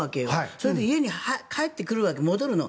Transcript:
それで家に帰ってくるわけ戻るの。